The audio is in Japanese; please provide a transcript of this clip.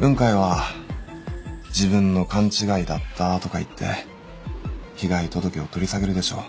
雲海は自分の勘違いだったとか言って被害届を取り下げるでしょう。